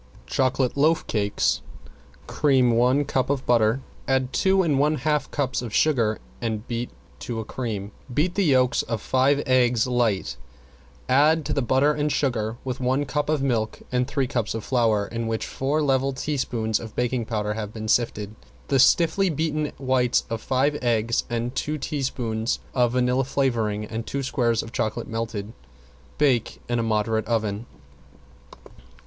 ~CHOCOLATE LOAF CAKES~ Cream one cup of butter, add two and one half cups of sugar and beat to a cream. Beat the yolks of five eggs light, add to the butter and sugar, with one cup of milk and three cups of flour in which four level teaspoons of baking powder have been sifted, the stiffly beaten whites of five eggs and two teaspoons of vanilla flavoring and two squares of chocolate melted. Bake in a moderate oven.